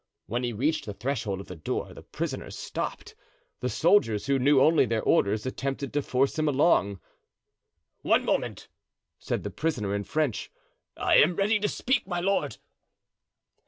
When he reached the threshold of the door the prisoner stopped. The soldiers, who knew only their orders, attempted to force him along. "One moment," said the prisoner, in French. "I am ready to speak, my lord."